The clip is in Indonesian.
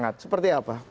atau seperti apa